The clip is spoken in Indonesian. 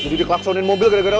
jadi di klaksonin mobil gara gara lo